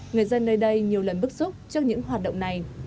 người dân nơi đây nhiều lần bức xúc trước những hoạt động này